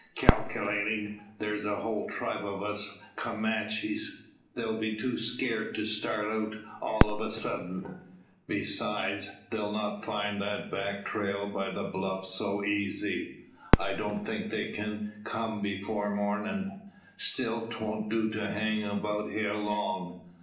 Calculatin' there's a whole tribe o' us Comanches, they'll be too scared to start out all of a suddint. Besides, they'll not find that back trail by the bluff so easy. I don't think they can before mornin'. Still 'twont do to hang about hyar long.